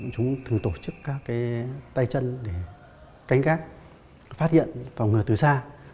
chúng thường tổ chức các cái tay chân để cánh gác phát hiện và ngờ từ xa